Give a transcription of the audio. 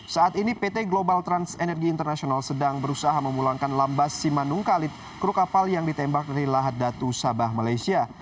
saat ini pt global trans energy international sedang berusaha memulangkan lambas simanung kalit kru kapal yang ditembak dari lahat datu sabah malaysia